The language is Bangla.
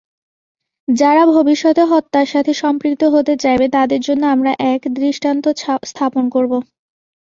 যারা ভবিষ্যতে হত্যার সাথে সম্পৃক্ত হতে চাইবে তাদের জন্য আমরা এক দৃষ্টান্ত স্থাপন করবো।